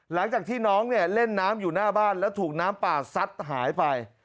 หลังจากที่น้องเนี่ยเล่นน้ำอยู่หน้าบ้านแล้วถูกน้ำป่าซัดหายไป